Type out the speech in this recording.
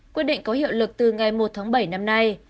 quyết định có hiệu lực từ ngày một tháng bảy năm nay